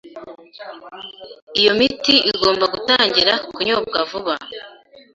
Iyo miti igomba gutangira kunyobwa vuba